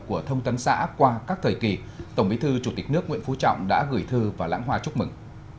của thông tấn xã qua các thời kỳ tổng bí thư chủ tịch nước nguyễn phú trọng đã gửi thư và lãng hoa chúc mừng